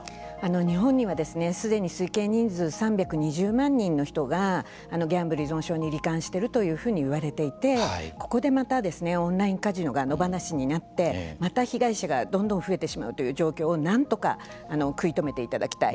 日本にはですねすでに推計人数３２０万人の人がギャンブル依存症にり患しているというふうにいわれていてここでまたオンラインカジノが野放しになってまた被害者がどんどん増えてしまうという状況をなんとか食い止めていただきたい。